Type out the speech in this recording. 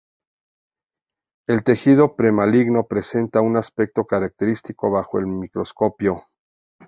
El tejido pre maligno presenta un aspecto característico bajo el microscopio.